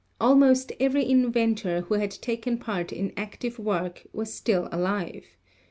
Al most every inventor who had taken part in active work was still alive.